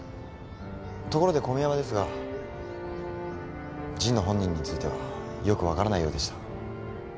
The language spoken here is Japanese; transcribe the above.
ところで小宮山ですが神野本人についてはよく分からないようでした。